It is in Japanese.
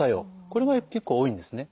これが結構多いんですね。